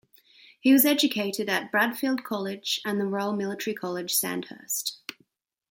He was educated at Bradfield College and the Royal Military College, Sandhurst.